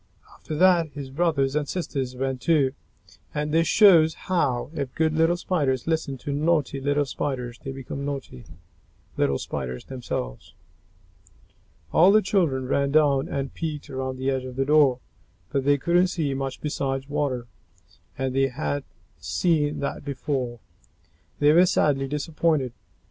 After that, his brothers and sisters went, too. And this shows how, if good little Spiders listen to naughty little Spiders, they become naughty little Spiders themselves. All the children ran down and peeked around the edge of the door, but they couldn't see much besides water, and they had seen that before. They were sadly disappointed.